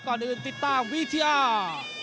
ก่อนอื่นติดตามวิทยา